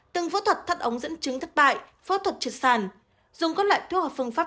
từng phốt thuật thắt ống dẫn trứng thất bại phốt thuật trượt sàn dùng các loại thu hoạt